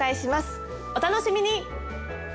お楽しみに！